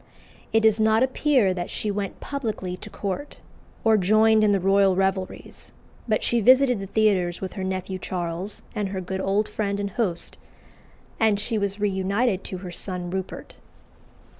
It does not appear that she went publicly to court, or joined in the royal revelries; but she visited the theatres with her nephew Charles and her good old friend and host, and she was reunited to her son Rupert.